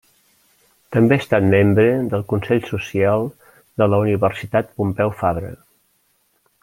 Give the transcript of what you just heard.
També ha estat membre del Consell Social de la Universitat Pompeu Fabra.